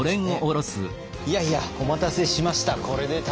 いやいやお待たせしました。